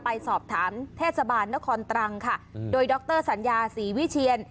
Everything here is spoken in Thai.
ไปสอบถามเทศบาลนครตรังค่ะโดยดรสัญญาศรีวิเชียน